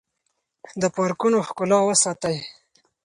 د پارکونو ښکلا وساتئ.